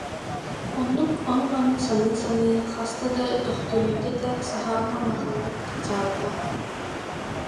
Оннук ону-маны саныы-саныы хаста да төхтөрүйдэ да, саһаана улаханнык аччаабата